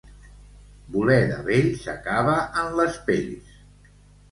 Voler de vells, acaba en les pells.